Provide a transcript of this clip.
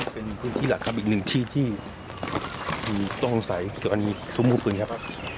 เป็นพื้นที่หลักครับอีกหนึ่งที่ที่ต้องสงสัยคืออันนี้ซุ้มคุปืนครับ